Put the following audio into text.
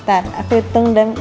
ntar aku hitung